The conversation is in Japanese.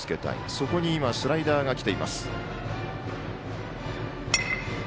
そこにスライダーがきています。